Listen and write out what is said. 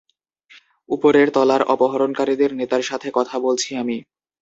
উপরের তলার অপহরণকারীদের নেতার সাথে কথা বলছি আমি।